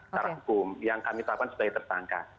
secara hukum yang kami tahapkan sebagai tertangka